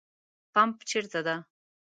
پمپ چیرته ده؟